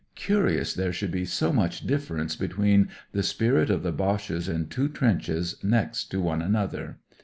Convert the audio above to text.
Curious there should be so much differ ence between the spirit of the Boches in two trenches next to one another.